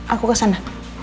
aku ke sana